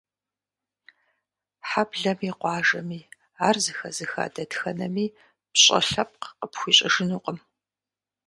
Хьэблэми, къуажэми, ар зэхэзыха дэтхэнэми пщӀэ лъэпкъ къыпхуищӀыжынукъым.